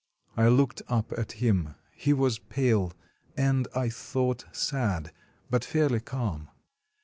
I looked up at him; he was pale, and, I thought, sad, but fairly calm.